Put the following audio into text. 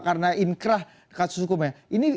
karena inkrah kasus hukumnya